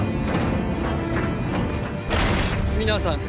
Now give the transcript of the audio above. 皆さん！